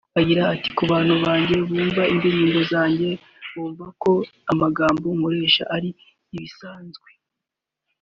Agira ati “Ku bantu bajya bumva indirimbo zanjye bumva ko amagambo nk’aya ari ibisanzwe